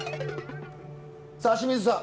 さあ清水さん